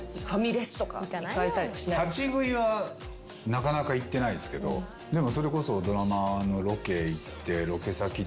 立ち食いはなかなか行ってないですけどでもそれこそドラマのロケ行って。